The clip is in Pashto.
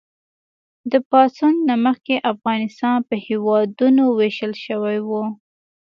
د پاڅون نه مخکې افغانستان په هېوادونو ویشل شوی و.